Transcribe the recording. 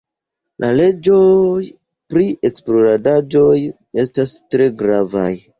La leĝoj pri eksplodaĵoj estas tre gravaj.